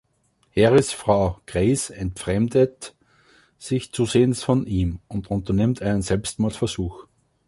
Harrys Frau Grace entfremdet sich zusehends von ihm und unternimmt einen Selbstmordversuch.